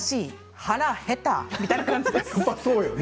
腹、減った！みたいな感じです。